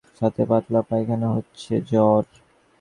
আমার বাবার অনেক জ্বর আর সাথে পাতলা পায়খানা হচ্ছে।